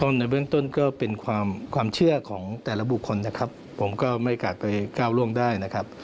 ในเบื้องต้นก็เป็นความเชื่อของแต่ละบุคคลนะครับผมก็ไม่อาจไปก้าวล่วงได้นะครับ